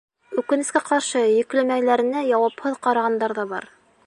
Үкенескә ҡаршы, йөкләмәләренә яуапһыҙ ҡарағандар ҙа бар.